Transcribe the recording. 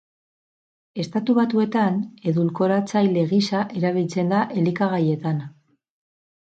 Estatu Batuetan edulkoratzaile gisa erabiltzen da elikagaietan.